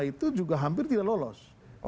itu juga hampir tidak lolos